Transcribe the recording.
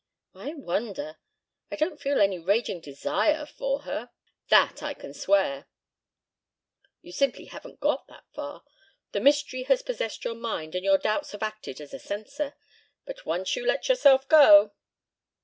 "I wonder! I don't feel any raging desire for her that I can swear." "You simply haven't got that far. The mystery has possessed your mind and your doubts have acted as a censor. But once let yourself go